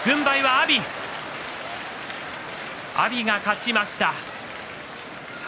阿炎が勝ちました。